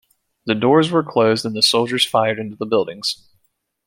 The doors were closed and the soldiers fired into the buildings.